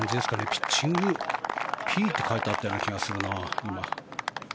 ピッチングＰって書いてあったような気がするな。